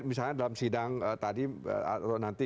misalnya dalam sidang tadi atau nanti